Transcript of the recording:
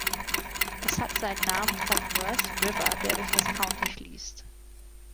Es hat seinen Namen vom Merced River, der durch das County fließt.